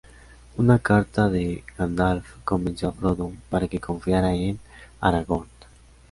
Una carta de Gandalf convenció a Frodo para que confiara en Aragorn.